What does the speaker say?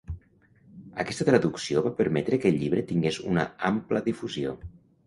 Aquesta traducció va permetre que el llibre tingués una ampla difusió.